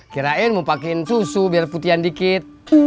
kirain mau pake susu biar putihkan dikit